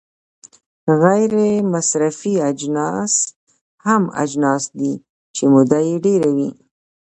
غیر مصرفي اجناس هغه اجناس دي چې موده یې ډیره وي.